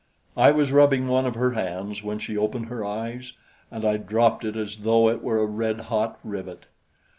I was rubbing one of her hands when she opened her eyes, and I dropped it as though it were a red hot rivet.